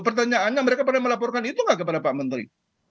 pertanyaannya mereka pada melaporkan itu nggak kepada pak menteri